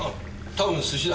多分寿司だ。